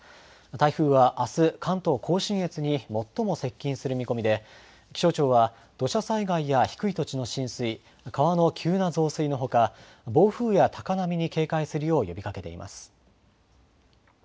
台風はあす、関東甲信越に最も接近する見込みで、気象庁は土砂災害や低い土地の浸水、川の急な増水のほか、暴風や高波に警戒するよう呼びかけています。